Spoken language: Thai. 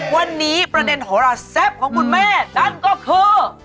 วันนี้ประเด็นโหลาแซ่บของคุณแม่นั่นก็คือ